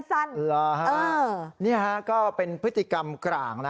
หรือนะนี่ค่ะก็เป็นพฤติกรรมกลาง